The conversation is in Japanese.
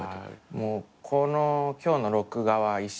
もうこの今日の録画は一生残す。